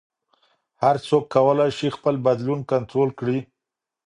هر څوک کولی شي خپل بدلون کنټرول کړي.